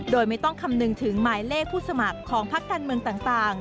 โดยไม่ต้องคำนึงถึงหมายเลขผู้สมัครของพักการเมืองต่าง